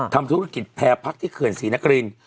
ทำธุรกิจแพร่พักที่เขื่อนศรีนคริน